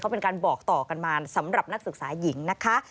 เป็นการบอกต่อกันมาสำหรับนักศึกษาหญิงนะคะ